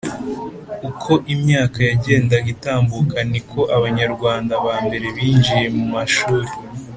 Uko imyaka yagendaga itambuka ni ko abanyarwanda ba mbere binjiye mu mashuri.